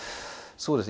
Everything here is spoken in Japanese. そうですね。